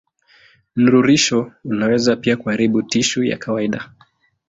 Mnururisho unaweza pia kuharibu tishu ya kawaida.